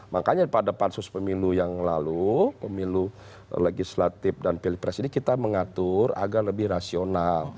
makanya pada pansus pemilu yang lalu pemilu legislatif dan pilpres ini kita mengatur agar lebih rasional